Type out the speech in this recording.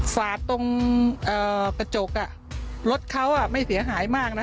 ฝาดตรงกระจกรถเขาไม่เสียหายมากนะ